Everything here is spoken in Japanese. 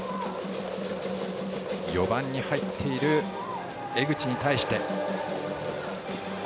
４番に入っている江口に対して。